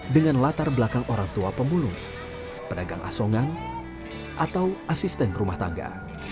dengan latar belakang orang tua pemulung pedagang asongan atau asisten rumah tangga